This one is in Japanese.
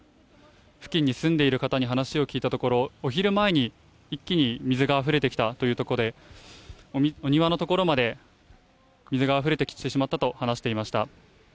付近に住んでいる方に話を聞いたところ、お昼前に一気に水があふれてきたということで、お庭の所まで水があふれてきてしまったと話していました。